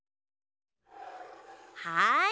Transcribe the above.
はい。